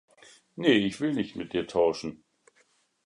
Nee, ich will nicht mit dir tauschen.